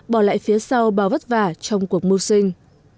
bỏ lại phía sau bao vất vả trong cuộc mưu sinh